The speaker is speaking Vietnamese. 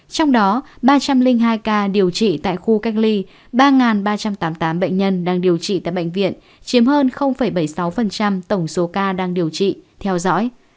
trong đó ba trăm linh hai ca điều trị tại khu cách ly ba ba trăm tám mươi tám bệnh nhân đang điều trị tại bệnh viện chiếm hơn bảy mươi sáu tổng số ca đang điều trị theo dõi